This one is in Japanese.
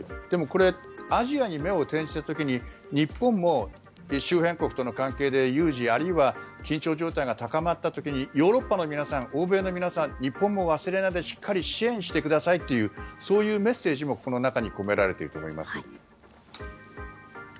でも、これアジアに目を転じた時に日本も周辺国との関係で有事あるいは緊張関係が高まった時にヨーロッパの皆さん欧米の皆さん日本も忘れないでしっかり支援してくださいというそういうメッセージもこの中に込められていると思います。